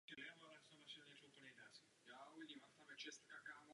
Avšak dohoda o zpětném přebírání osob je nezbytná.